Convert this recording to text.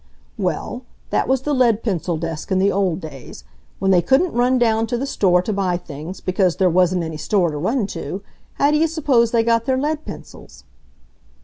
"Well, that was the lead pencil desk in the old days. When they couldn't run down to the store to buy things, because there wasn't any store to run to, how do you suppose they got their lead pencils!"